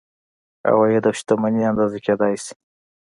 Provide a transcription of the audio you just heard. عواید او شتمني اندازه کیدلی شي.